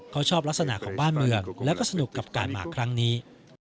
เขาชอบลักษณะของบ้านเมืองแล้วก็สนุกกับการมาครั้งนี้